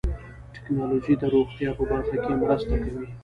ټکنالوجي د روغتیا په برخه کې مرسته کوي.